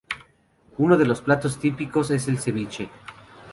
Uno de los platos típicos es el ceviche.